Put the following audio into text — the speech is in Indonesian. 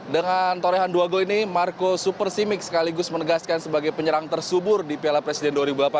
dengan torehan dua gol ini marco supersimik sekaligus menegaskan sebagai penyerang tersubur di piala presiden dua ribu delapan belas